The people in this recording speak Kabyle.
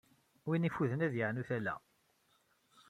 Win yeffuden, ad yeɛnu tala.